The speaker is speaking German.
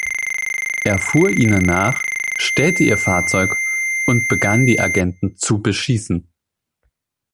Er fuhr ihnen nach, stellte ihr Fahrzeug und begann die Agenten zu beschießen.